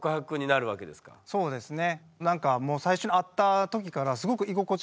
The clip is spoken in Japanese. そうですね。